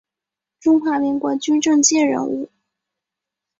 中华民国军政界人物。